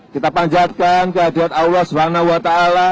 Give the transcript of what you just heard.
kita panjatkan kehadirat allah swt